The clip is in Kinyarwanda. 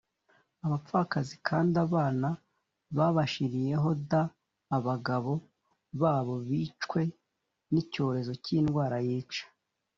abapfakazi kandi abana babashireho d abagabo babo bicwe n icyorezo cy indwara yica